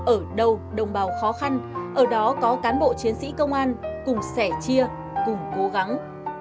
ở đâu đồng bào khó khăn ở đó có cán bộ chiến sĩ công an cùng sẻ chia cùng cố gắng